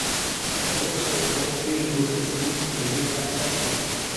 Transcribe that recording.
They also report feelings of peace and relaxation.